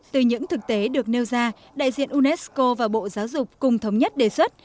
từ những thực tế được nêu ra đại diện unesco và bộ giáo dục cùng thống nhất đề xuất